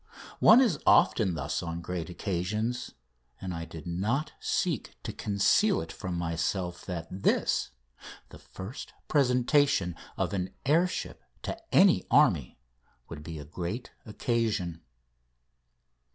One is often thus on great occasions, and I did not seek to conceal it from myself that this the first presentation of an air ship to any army would be a great occasion.